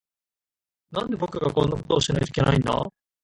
なんで、僕がこんなことをしないといけないんだ。